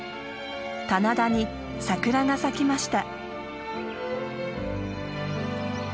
棚田に桜が咲きました。